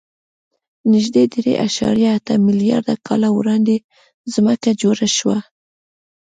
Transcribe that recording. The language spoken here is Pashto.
نږدې درې اعشاریه اته میلیارده کاله وړاندې ځمکه جوړه شوه.